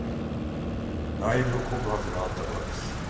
内部告発があったからです。